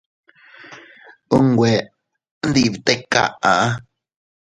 Unwe ndi bte kaʼa.